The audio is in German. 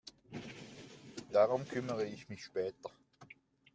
Darum kümmere ich mich später.